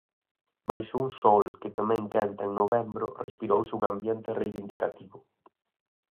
Baixo un sol que tamén quenta en novembro, respirouse un ambiente reivindicativo.